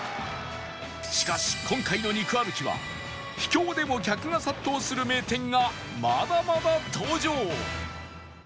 しかし今回の肉歩きは秘境でも客が殺到する名店がまだまだ登場